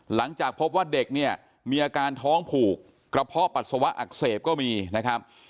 หลังจากพบว่าเด็กเนี่ยมีอาการท้องผูกกระเพาะปัสสาวะอักเสบก็มีนะครับ